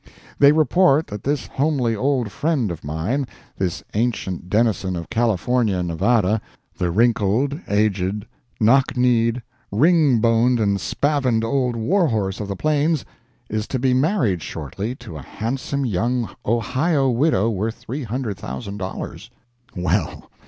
They report that this homely old friend of mine—this ancient denizen of California and Nevada—the wrinkled, aged, knock kneed, ringboned and spavined old war horse of the Plains is to be married shortly to a handsome young Ohio widow worth Three Hundred Thousand Dollars. Well.